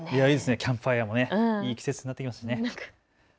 キャンプファイアもいい季節になってきましたね。